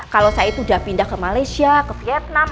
kalau saya itu udah pindah ke malaysia ke vietnam